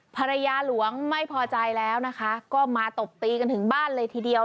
ภรรยาหลวงไม่พอใจแล้วนะคะก็มาตบตีกันถึงบ้านเลยทีเดียว